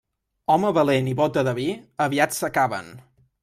Home valent i bóta de vi, aviat s'acaben.